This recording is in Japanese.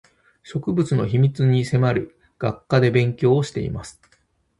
植物の秘密に迫る学科で勉強をしています